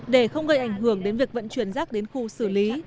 để không gây ảnh hưởng đến việc vận chuyển rác đến khu xử lý